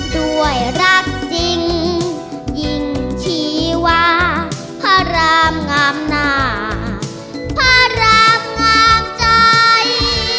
ด้วยรักจริงยิ่งชีวาพระรามงามหน้าพระรามงามใจ